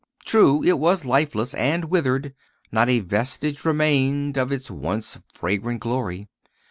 True, it was lifeless and withered; not a vestige remained of its once fragrant glory.